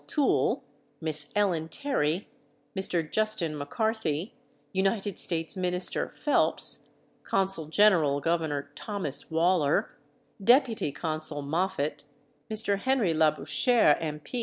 Toole, Miss Ellen Terry, Mr. Justin McCarthy, United States Minister Phelps, Consul General Gov. Thomas Waller, Deputy Consul Moffat, Mr. Henry Labouchere, M.